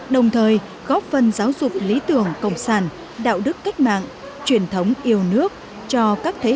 đồng thời góp phần giáo dục lý tưởng cộng sản đạo đức cách mạng truyền thống yêu nước cho các thế hệ